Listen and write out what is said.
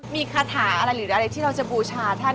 มีคาถาอะไรหรืออะไรที่เราจะบูชาท่าน